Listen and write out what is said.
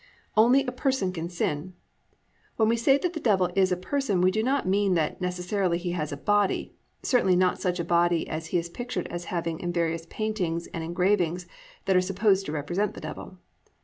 "+ Only a person can sin. When we say that the Devil is a person we do not mean that necessarily he has a body, certainly not such a body as he is pictured as having in various paintings and engravings that are supposed to represent the Devil.